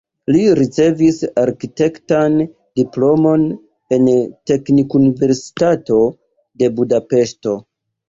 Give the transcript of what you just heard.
Li akiris arkitektan diplomon en Teknikuniversitato de Budapeŝto.